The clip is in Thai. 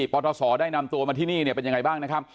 ปทศได้นำตัวมาที่นี่เนี่ยเป็นยังไงบ้างนะครับ